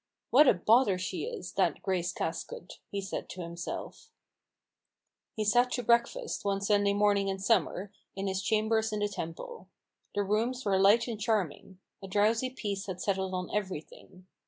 " What a bother she is, that Grace Casket," he said to himself. 144 A BOOK OF BARGAINS, He sat to breakfast, one Sunday morning in summer, in his chambers in the Temple. The rooms were light and charming : a drowsy peace had settled on everything.